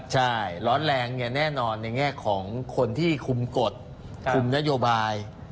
ใช่ร้อนแรงเนี่ยแน่นอนในแง่ของคนที่คุมกฎคุมนโยบาย